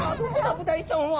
ブダイちゃんは。